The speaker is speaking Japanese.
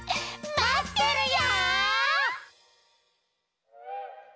まってるよ！